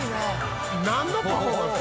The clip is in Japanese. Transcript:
「なんのパフォーマンス？